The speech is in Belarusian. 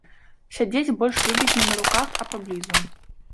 Сядзець больш любіць не на руках, а паблізу.